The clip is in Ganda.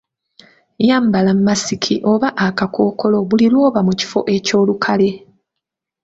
Yambala masiki oba akakookolo buli lw’oba mu kifo eky'olukale.